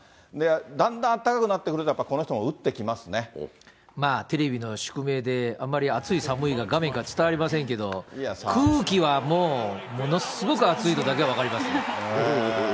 だんだんあったかくなってくると、まあ、テレビの宿命で、あんまり暑い、寒いが画面から伝わりませんけど、空気はもう、ものすごくあついのだけは分かりますね。